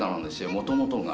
もともとが。